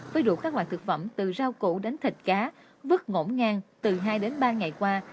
với đủ các loại thực phẩm từ rau củ đến thịt cá vứt ngỗ ngang từ hai đến ba ngày qua